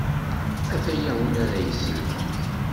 A-t-aya win ara y-isellmen.